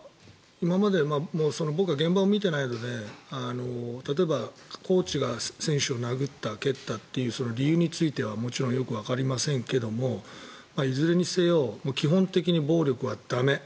僕は現場を見ていないので例えば、コーチが選手を殴った蹴ったというその理由についてはもちろんよくわかりませんけどいずれにせよ基本的に暴力は駄目。